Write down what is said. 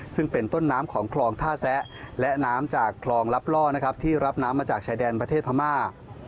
ซึ่งเป็นต้นน้ำของคลองท่าแซะและน้ำจากคลองลับล่อนะครับที่รับน้ำมาจากชายแดนประเทศพม่า